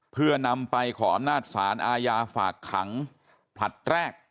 เพื่อนำไปขออำนาจศาลอาญาฝากขังผลัดแรก